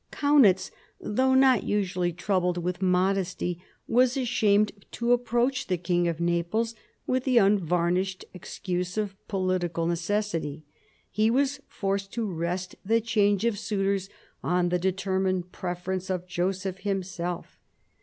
Kaunitz, 1757 60 THE SEVEN YEARS' WAR 155 though not usually troubled with modesty, was ashamed to approach the King of Naples with the unvarnished excuse of political necessity; he was forced to rest the change of suitors on the determined preference of Joseph himself.